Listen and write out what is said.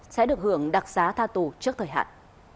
sẽ được hưởng đặc xá tha tù trước thời hạn